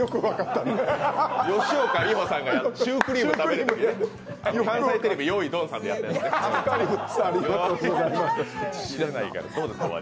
吉岡里帆さんがシュークリーム食べるやつね。